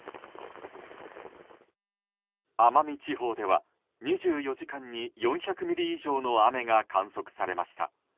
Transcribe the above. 奄美地方では２４時間に４００ミリ以上の雨が観測されました。